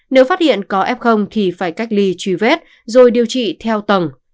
nếu phát hiện có f thì phải cách ly truy vết rồi điều trị theo tầng